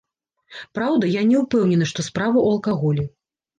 Праўда, я не ўпэўнены, што справа ў алкаголі.